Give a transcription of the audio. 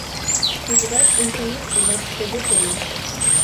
Тӱжвач ончымаште лач тыге коеш.